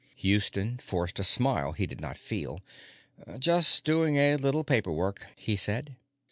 Houston forced a smile he did not feel. "Just doing a little paper work," he said.